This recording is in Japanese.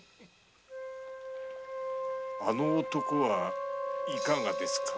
あの男はいかがですか？